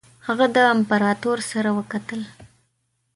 هغه د امپراطور سره وکتل.